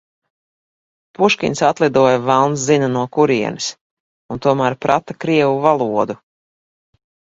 Puškins atlidoja velns zina no kurienes un tomēr prata krievu valodu.